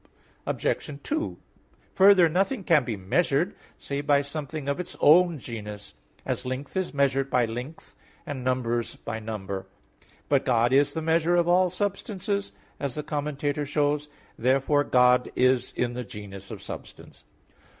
Obj. 2: Further, nothing can be measured save by something of its own genus; as length is measured by length and numbers by number. But God is the measure of all substances, as the Commentator shows (Metaph. x). Therefore God is in the genus of substance.